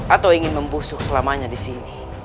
atau ingin membusuk selamanya disini